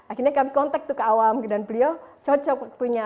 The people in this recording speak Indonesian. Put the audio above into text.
akhirnya kami kontak tuh ke awam dan beliau cocok waktunya